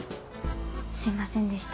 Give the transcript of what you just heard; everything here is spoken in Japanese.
すいませんでした。